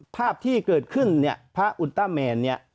ภาพที่เกิดขึ้นเนี่ยพระอุณต้าแมนเนี่ย